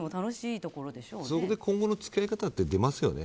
それで今後の付き合い方って出ますよね。